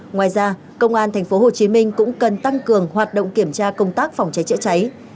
ngoài ra công an tp hcm cũng cần tăng cường hoạt động kiểm tra công tác phòng cháy chữa cháy